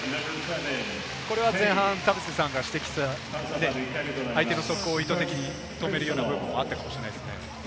これは前半、田臥さんが指摘された相手の速攻を意図的に止めるような部分もあったかもしれないですね。